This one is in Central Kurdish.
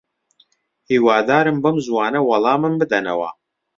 هیوادارم بەم زووانە وەڵامم بدەنەوە.